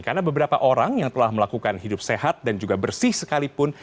karena beberapa orang yang telah melakukan hidup sehat dan juga bersih sekalipun